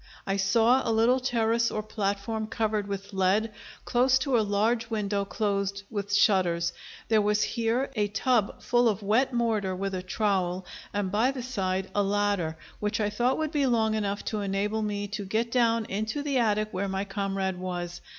I saw a little terrace or platform covered with lead, close to a large window closed with shutters. There was here a tub full of wet mortar with a trowel, and by the side a ladder, which I thought would be long enough to enable me to get down into the attic where my comrade was.